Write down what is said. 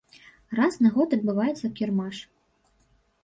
Раз на год адбываецца кірмаш.